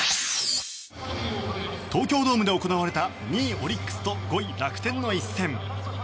東京ドームで行われた２位オリックスと５位楽天の一戦。